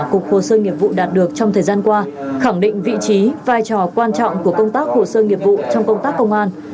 cục hồ sơ nghiệp vụ đạt được trong thời gian qua khẳng định vị trí vai trò quan trọng của công tác hồ sơ nghiệp vụ trong công tác công an